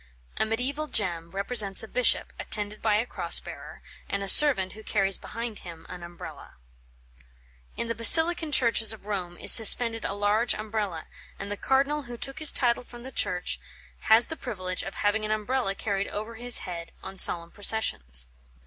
A mediæval gem represents a bishop, attended by a cross bearer, and a servant who carries behind him an Umbrella. In the Basilican churches of Rome is suspended a large Umbrella, and the cardinal who took his title from the church has the privilege of having an Umbrella carried over his head on solemn processions.